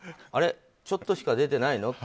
あれっ、ちょっとしか出てないの？